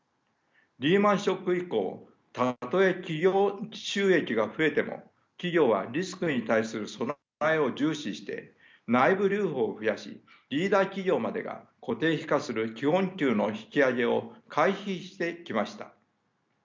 リーマンショック以降たとえ企業収益が増えても企業はリスクに対する備えを重視して内部留保を増やしリーダー企業までが固定費化する基本給の引き上げを回避してきました。